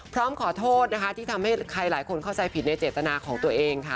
พร้อมขอโทษนะคะที่ทำให้ใครหลายคนเข้าใจผิดในเจตนาของตัวเองค่ะ